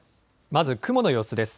まず雲の様子です。